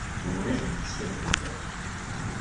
Ulac lettkal fell-ak.